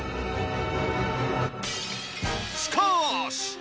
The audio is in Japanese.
しかーし！